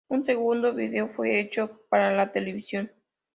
Un segundo vídeo fue hecho para la televisión.